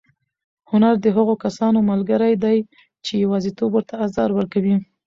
هنر د هغو کسانو ملګری دی چې یوازېتوب ورته ازار ورکوي.